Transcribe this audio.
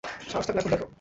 সাহস থাকলে এখন দেখা।